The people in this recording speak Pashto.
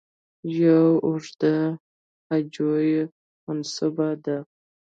یو اوږده هجویه منسوبه ده.